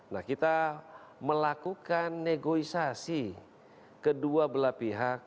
nah kita melakukan negosiasi kedua belah pihak